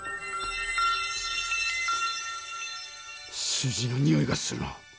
数字のにおいがするな。